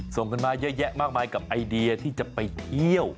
ส่งกันมาเยอะแยะมากมายกับไอเดียที่จะไปเที่ยว